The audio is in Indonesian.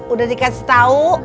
udah dikasih tahu